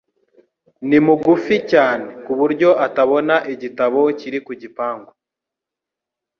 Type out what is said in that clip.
Ni mugufi cyane ku buryo atabona igitabo kiri ku gipangu.